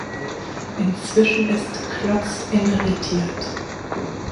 Inzwischen ist Klotz emeritiert.